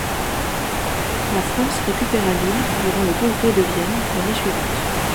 La France récupéra l'île durant le congrès de Vienne l'année suivante.